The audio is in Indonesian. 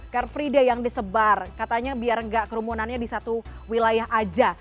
karena frida yang disebar katanya biar gak kerumunannya di satu wilayah aja